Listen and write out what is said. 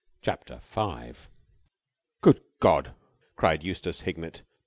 CHAPTER FIVE "Good God!" cried Eustace Hignett.